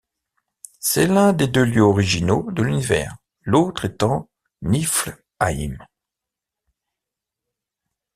C'est l'un des deux lieux originaux de l'univers, l'autre étant Niflheim.